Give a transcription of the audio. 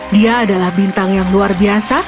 dia adalah bintang yang luar biasa